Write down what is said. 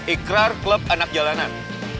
ikrar klub anak jalanan